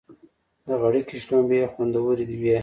د غړکی شلومبی خوندوری وی.